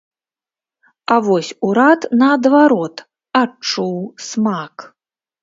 А вось урад, наадварот, адчуў смак.